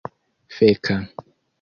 feka